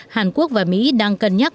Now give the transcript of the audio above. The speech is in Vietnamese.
hàn quốc và mỹ đang cân nhắc